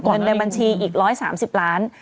เงินในบัญชีอีก๑๓๐ล้าน